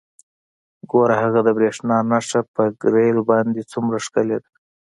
ګوره هغه د بریښنا نښه په ګریل باندې څومره ښکلې ده